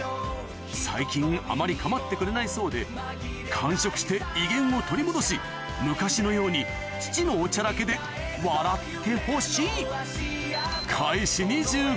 最近あまり構ってくれないそうで完食して威厳を取り戻し昔のように父のおちゃらけで笑ってほしい！